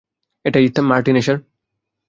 এটাই মার্টিন এশার।